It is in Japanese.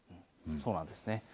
そうなんですね。